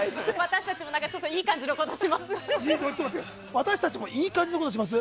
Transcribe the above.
私たちもいい感じのことします。